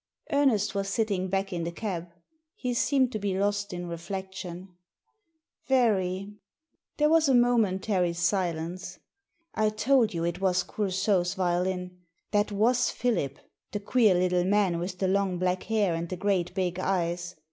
Ernest was sitting back in the cab. He seemed to be lost in reflectioa "Very." There was a momentary silence. I told you it was Coursault's violin. That was Philip, the queer little man with the long black hair and the great big eyes.